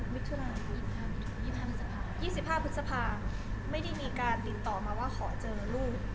๒๕พฤษภา๔๕๒๕พฤษภาไม่ได้มีการติดต่อมาว่าขอเจอลูก